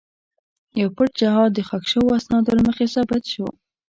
یو پټ جهاد د ښخ شوو اسنادو له مخې ثابت شو.